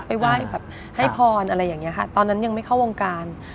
ไหว้แบบให้พรอะไรอย่างนี้ค่ะตอนนั้นยังไม่เข้าวงการ